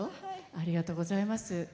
ありがとうございます。